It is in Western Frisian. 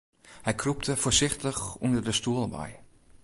Hy krûpte foarsichtich ûnder de stoel wei.